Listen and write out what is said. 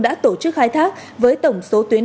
đã tổ chức khai thác với tổng số tuyến